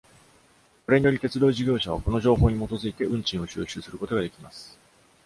これにより、鉄道事業者はこの情報に基づいて運賃を収集することができます。